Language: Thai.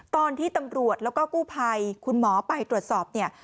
ตอนที่ตำรวจแล้วก็กู้ภัยคุณหมอไปตรวจสอบเนี่ย